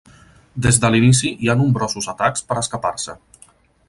Des de l'inici hi ha nombrosos atacs per escapar-se.